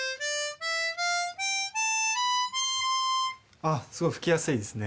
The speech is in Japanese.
ああすごい吹きやすいですね。